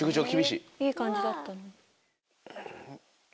いい感じだったのに。